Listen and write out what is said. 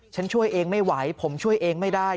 ช่วยเองไม่ไหวผมช่วยเองไม่ได้